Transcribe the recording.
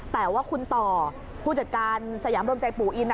แต่ว่าคุณต่อผู้จัดการสยามรวมใจปู่อิน